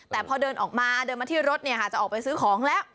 แต่พอเดินออกมาเดินมาที่รถจะออกไปซื้อของแล้ว